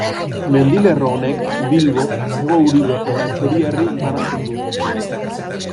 Mendilerro honek Bilbo, Hego Uribe eta Txorierri banatzen du.